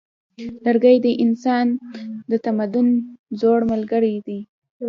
لرګی د انسان د تمدن زوړ ملګری دی.